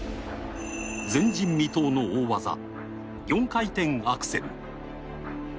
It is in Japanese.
前人未到の大技４回転アクセル。